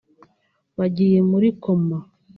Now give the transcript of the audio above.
bagiye muri koma